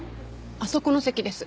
あそこの席です。